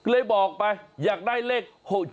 เลยบอกไปอยากได้เลข๖๗